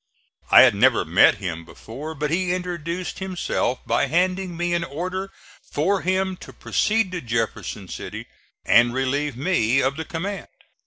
I had never met him before, but he introduced himself by handing me an order for him to proceed to Jefferson City and relieve me of the command.